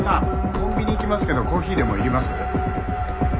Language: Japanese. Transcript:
コンビニ行きますけどコーヒーでもいります？